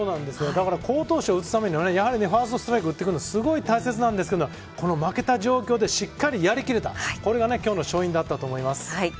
好投手を打つためにはファーストストライクを打つのは大切なんですが、負けた状況でしっかりやりきれた、これが勝因だったと思います。